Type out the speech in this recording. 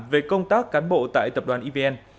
về công tác cán bộ tại tập đoàn evn